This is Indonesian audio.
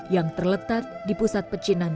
yang terletak di pusat pecinan